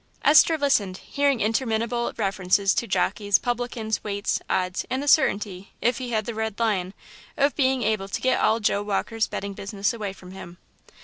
Esther listened, hearing interminable references to jockeys, publicans, weights, odds, and the certainty, if he had the "Red Lion," of being able to get all Joe Walker's betting business away from him.